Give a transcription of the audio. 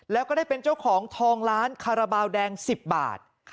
แล้วก็ได้เป็นเจ้าของทองล้านคาราบาลแดง๑๐บาท